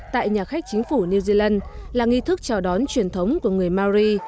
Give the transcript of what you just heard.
tại nhà khách chính phủ new zealand là nghi thức chào đón truyền thống của người mari